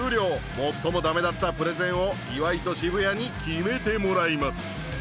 最もだめだったプレゼンを岩井と渋谷に決めてもらいます。